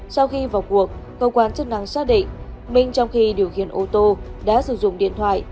sau khi vào cuộc cơ quan chức năng xác định minh trong khi điều khiển ô tô đã sử dụng điện thoại